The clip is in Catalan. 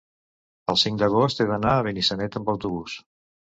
el cinc d'agost he d'anar a Benissanet amb autobús.